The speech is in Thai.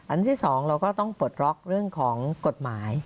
ที่สองเราก็ต้องปลดล็อกเรื่องของกฎหมาย